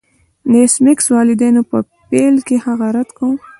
د ایس میکس والدینو په پیل کې هغه رد کړ